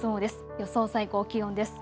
予想最高気温です。